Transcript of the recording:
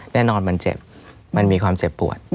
แน่นอนมันเจ็บมันมีความเจ็บปวด